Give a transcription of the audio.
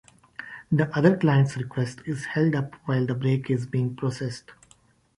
The other client's request is held up while the break is being processed.